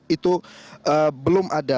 itu belum ada